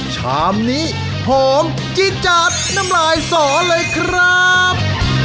ชามนี้หอมจี๊จัดน้ำลายสอเลยครับ